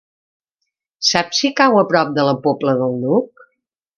Saps si cau a prop de la Pobla del Duc?